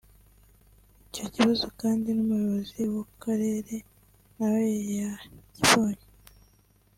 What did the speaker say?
Icyo kibazo kandi n’Umuyobozi w’ako Karere nawe yakibonye